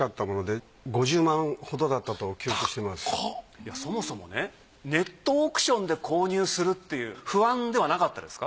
いやそもそもねネットオークションで購入するっていう不安ではなかったですか？